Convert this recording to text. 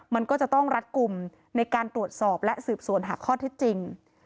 มันก็จะต้องรัดกลุ่มในการตรวจสอบและสืบสวนหาข้อเท็จจริง